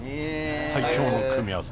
最強の組み合わせ！